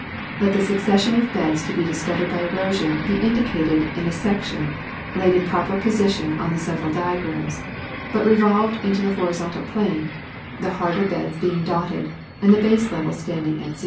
Let the succession of beds to be discovered by erosion be indicated in a section, laid in proper position on the several diagrams, but revolved into the horizontal plane, the harder beds being dotted and the baselevel standing at 00.